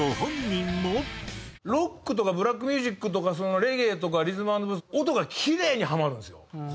ロックとかブラックミュージックとかレゲエとかリズム・アンド・ブルース音がキレイにハマるんですよ。